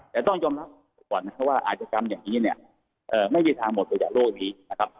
แต่ต้องยอมรับก่อนนะครับว่าอาจกรรมอย่างนี้เนี่ยไม่มีทางหมดไปจากโลกนี้นะครับ